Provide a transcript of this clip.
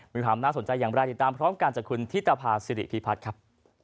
มีความน่าสนใจอย่างไรติดตามพร้อมกันจากคุณธิตภาษิริพิพัฒน์ครับ